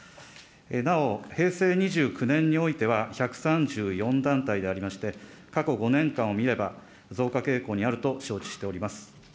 なお平成２９年においては１３４団体でありまして、過去５年間を見れば、増加傾向にあると承知しております。